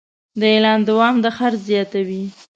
د اعلان دوام د خرڅ زیاتوي.